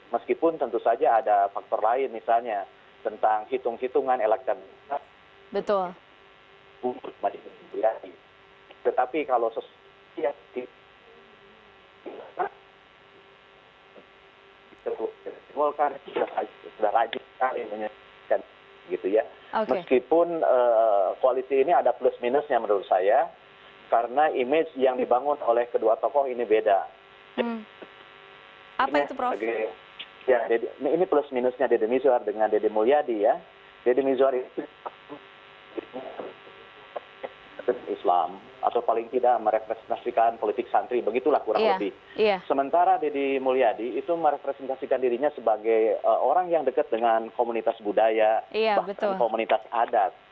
meskipun tentu saja ada faktor lain misalnya tentang hitung hitungan elektronik